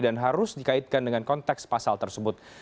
dan harus dikaitkan dengan konteks pasal tersebut